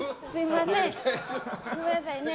ごめんなさいね。